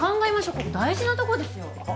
ここ大事なとこですよあっ